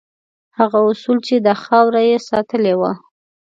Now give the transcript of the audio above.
هغه اصول چې دا خاوره یې ساتلې وه.